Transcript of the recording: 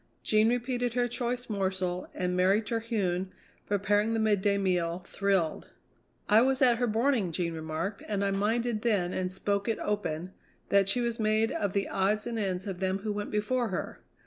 Jean repeated her choice morsel, and Mary Terhune, preparing the midday meal, thrilled. "I was at her borning," Jean remarked, "and I minded then and spoke it open, that she was made of the odds and ends of them who went before her.